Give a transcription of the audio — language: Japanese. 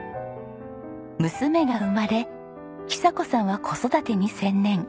娘が生まれ寿子さんは子育てに専念。